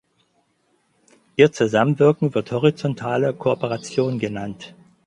Ihr Zusammenwirken wird horizontale Kooperation genannt.